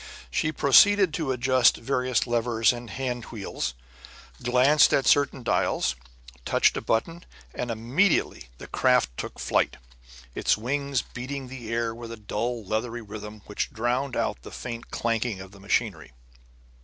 She proceeded to adjust various levers and hand wheels, glanced at certain dials, touched a button, and immediately the craft took flight, its wings beating the air with a dull leathery rhythm which drowned out the faint clanking of the machinery.